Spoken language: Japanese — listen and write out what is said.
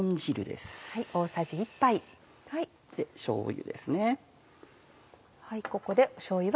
しょうゆです。